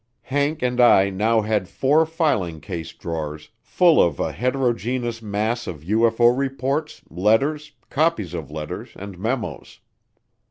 Hank and I now had four filing case drawers full of a heterogeneous mass of UFO reports, letters, copies of letters, and memos.